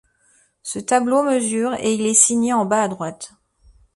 Ce tableau mesure et il est signé en bas à droite.